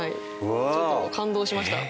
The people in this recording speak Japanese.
ちょっと感動しました。